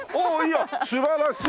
いや素晴らしい！